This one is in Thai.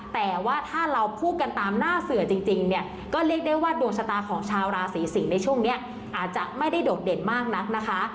แต่ว่าถ้าเราพูดกันตามหน้าเสือจริงเนี่ยก็เรียกได้ว่าดวงชะตาของชาวราศีสิงศ์ในช่วงนี้อาจจะไม่ได้โดดเด่นมากนักนะคะ